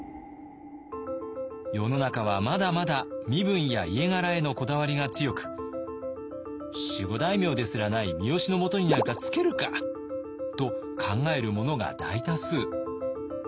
世の中はまだまだ身分や家柄へのこだわりが強く「守護大名ですらない三好のもとになんかつけるか！」と考える者が大多数。